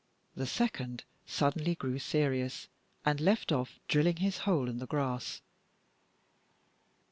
the second suddenly grew serious, and left off drilling his hole in the grass.